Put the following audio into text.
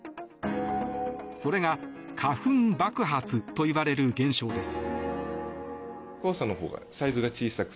それが花粉爆発といわれる現象です。